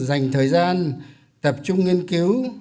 dành thời gian tập trung nghiên cứu